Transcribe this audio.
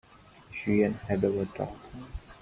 She and Heather were talking.